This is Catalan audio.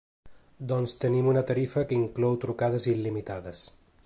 Doncs tenim una tarifa que inclou trucades il·limitades.